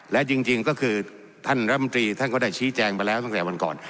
และจริงก็คือท่านรัฐมนตรีท่านก็ได้ชี้แจงมาแล้วตั้งแต่วันก่อน